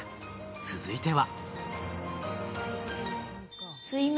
続いては。